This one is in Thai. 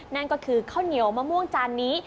นั่นก็คือข้าวเหนียวมะม่วงจานนี้